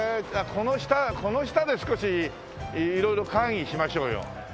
この下この下で少し色々会議しましょうよ。